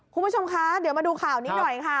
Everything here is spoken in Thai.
คุณผู้ชมคะเดี๋ยวมาดูข่าวนี้หน่อยค่ะ